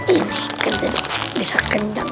ini bisa kendang